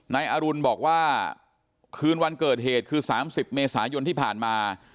นายอรุณบอกว่าคืนวันเกิดเหตุคือ๓๐เมษายนที่ผ่านมา